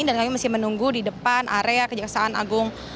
dan kami masih menunggu di depan area kejaksaan agung